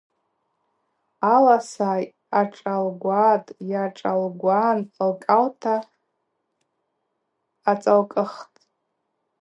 Аласа ашӏалгватӏ-йашӏалгван лкӏалта ацӏалкӏхтӏ.